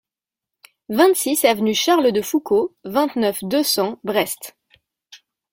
vingt-six avenue Charles de Foucauld, vingt-neuf, deux cents, Brest